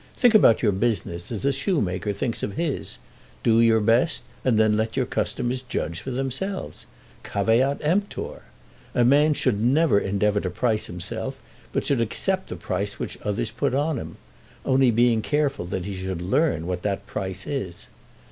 Think about your business as a shoemaker thinks of his. Do your best, and then let your customers judge for themselves. Caveat emptor. A man should never endeavour to price himself, but should accept the price which others put on him, only being careful that he should learn what that price is.